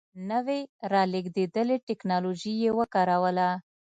نوې رالېږدېدلې ټکنالوژي یې وکاروله.